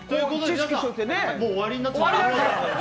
皆さん、もう終わりになっちゃいますので。